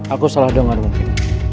aku salah dengar mungkin